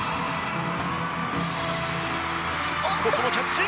ここもキャッチ。